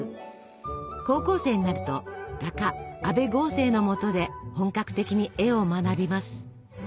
高校生になると画家阿部合成のもとで本格的に絵を学びます。